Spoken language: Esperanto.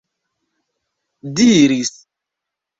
diris